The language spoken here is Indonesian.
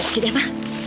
oke deh ma